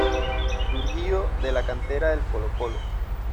Surgido de la cantera de Colo-Colo.